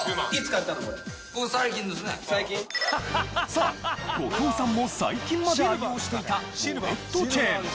さあ後藤さんも最近まで愛用していたウォレットチェーン。